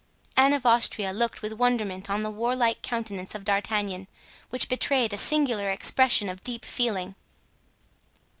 Anne of Austria looked with wonderment on the warlike countenance of D'Artagnan, which betrayed a singular expression of deep feeling.